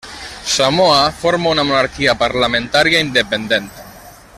Samoa forma una monarquia parlamentària independent.